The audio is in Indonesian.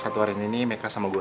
satu hari ini meka sama gue